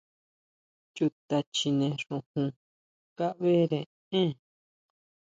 ¿Chuta chjine xujun kabeʼre én?